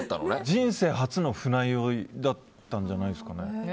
人生初の船酔いだったんじゃないですかね。